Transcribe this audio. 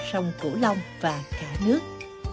sông cửu long và cả nước